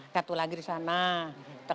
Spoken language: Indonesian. satu lagi di sana